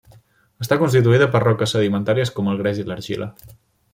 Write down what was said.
Està constituïda per roques sedimentàries com el gres i l'argila.